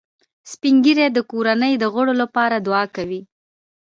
سپین ږیری د کورنۍ د غړو لپاره دعا کوي